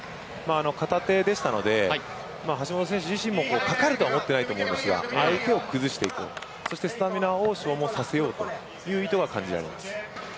片手でしたので、橋本選手自身もかかると思ってはいないと思いますが相手を崩していこう、そしてスタミナを消耗させようという意図が感じられます。